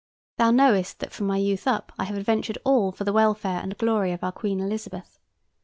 Thou knowest that from my youth up I have adventured all for the welfare and glory of our Queen Elizabeth.